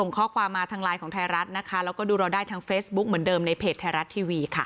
ข้อความมาทางไลน์ของไทยรัฐนะคะแล้วก็ดูเราได้ทางเฟซบุ๊คเหมือนเดิมในเพจไทยรัฐทีวีค่ะ